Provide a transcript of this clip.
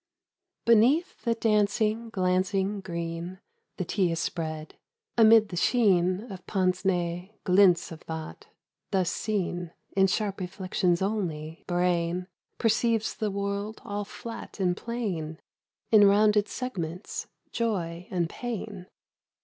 APRICOT JAM. BENEATH the dancing glancing green The tea is spread, amid the sheen of pincenez (glints of thought) ; thus seen In sharp reflections only, brain Perceives the world all flat and plain In rounded segments, joy and pain.